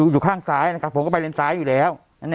อยู่ข้างซ้ายนะครับผมก็ไปเลนซ้ายอยู่แล้ว